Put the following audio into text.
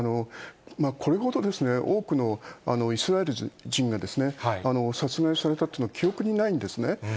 これほど多くのイスラエル人が殺害されたというのは記憶にないんですね。